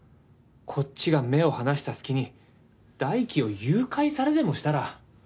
こっちが目を離した隙に大樹を誘拐されでもしたら。